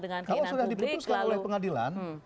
dengan keinginan publik kalau sudah diputuskan oleh pengadilan